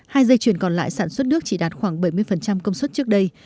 hai dây chuyền còn lại sản xuất nước chỉ đạt khoảng bảy mươi công suất trước đây